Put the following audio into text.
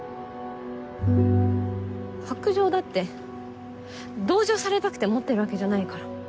白杖だって同情されたくて持ってるわけじゃないから。